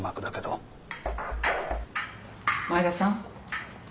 前田さん。